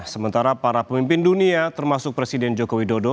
sementara para pemimpin dunia termasuk presiden joko widodo